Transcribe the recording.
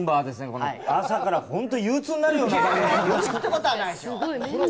この朝からホント憂鬱になるような番組で憂鬱ってことはないでしょ